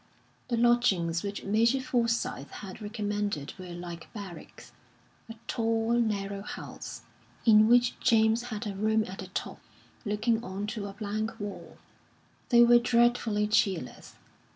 The lodgings which Major Forsyth had recommended were like barracks; a tall, narrow house, in which James had a room at the top, looking on to a blank wall. They were dreadfully cheerless.